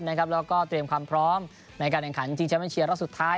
แล้วก็เตรียมความพร้อมในการแข่งขันชิงแชมป์เชียร์รอบสุดท้าย